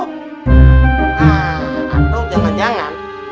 nah atau jangan jangan